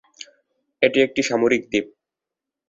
এটি একটা সামরিক দ্বীপ।